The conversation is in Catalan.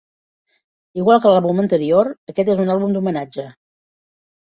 Igual que l'àlbum anterior, aquest és un àlbum d'homenatge.